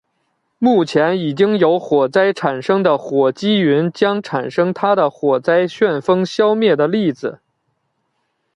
目前已经有火灾产生的火积云将产生它的火灾旋风消灭的例子。